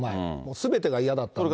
すべてが嫌だった。